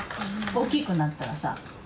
大きくなったらさ。